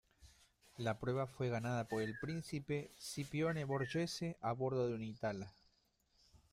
La prueba fue ganada por el príncipe Scipione Borghese a bordo de un Itala.